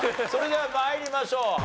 それでは参りましょう。